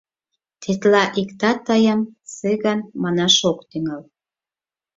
Тетла иктат тыйым Цыган манаш ок тӱҥал.